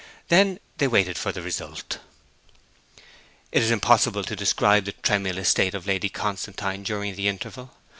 Then they waited for the result. It is impossible to describe the tremulous state of Lady Constantine during the interval.